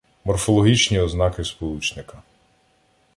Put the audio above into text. Морфологічні ознаки сполучника